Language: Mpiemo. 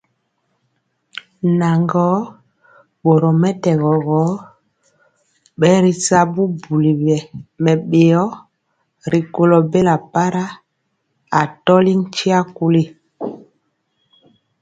Naŋgɔɔ, boromɛtɛgɔ gɔ, bɛritya bubuli mɛbéo rikɔlɔ bela para, atɔli ntia kuli.